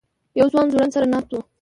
یو ځوان ځوړند سر ناست و.